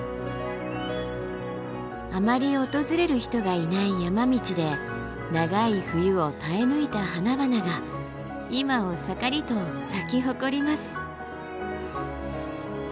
あまり訪れる人がいない山道で長い冬を耐え抜いた花々が今を盛りと咲き誇ります！